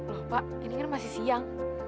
loh pak ini kan masih siang